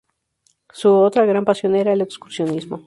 Su otra gran pasión era el excursionismo.